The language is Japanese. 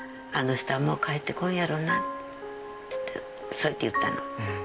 そうやって言ったの。